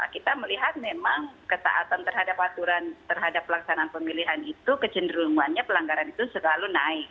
kita melihat memang ketaatan terhadap aturan terhadap pelaksanaan pemilihan itu kecenderungannya pelanggaran itu selalu naik